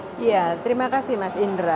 oh ya terima kasih mas indra